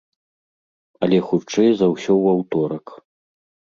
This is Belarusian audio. Але хутчэй за ўсё ў аўторак.